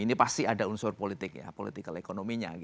ini pasti ada unsur politik ya